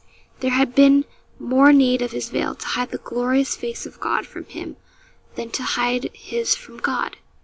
There had been more need of his veil to hide the glorious face of God from him than to hide his from God.